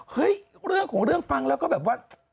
เรื่องของเรื่องฟังแล้วก็แบบว่า